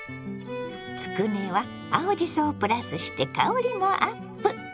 つくねは青じそをプラスして香りもアップ。